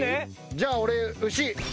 じゃあ俺牛。